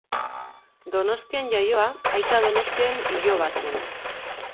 Donostian jaioa, Aita Donostiaren hiloba zen.